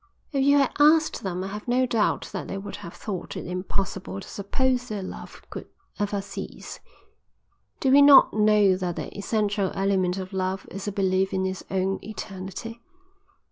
"If you had asked them I have no doubt that they would have thought it impossible to suppose their love could ever cease. Do we not know that the essential element of love is a belief in its own eternity?